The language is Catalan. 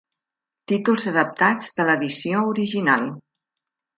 Títols adaptats de l'edició original.